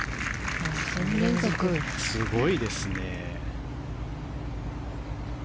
すごいですね。